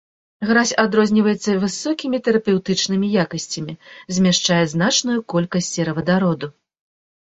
Гразь адрозніваецца высокімі тэрапеўтычнымі якасцямі, змяшчае значную колькасць серавадароду.